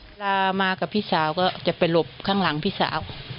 เวลามากับพี่สาวก็จะไปหลบข้างหลังพี่สาว